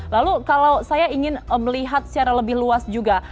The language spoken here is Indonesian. lalu kalau saya ingin melihat secara lebih luas juga